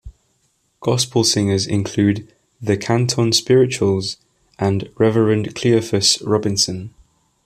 Gospel singers include the Canton Spirituals and Reverend Cleophus Robinson.